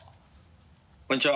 こんにちは。